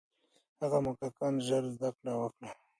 هغه موږکان ژر زده کړه وکړه.